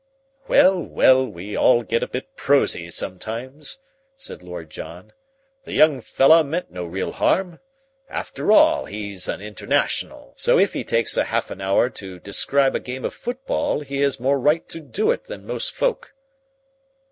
"Well, well, we all get a bit prosy sometimes," said Lord John. "The young fellah meant no real harm. After all, he's an International, so if he takes half an hour to describe a game of football he has more right to do it than most folk."